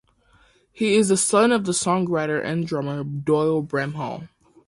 He is the son of the songwriter and drummer Doyle Bramhall.